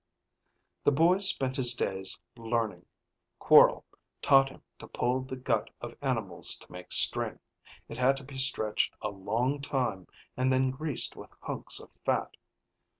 The boy spent his days learning. Quorl taught him to pull the gut of animals to make string. It had to be stretched a long time and then greased with hunks of fat.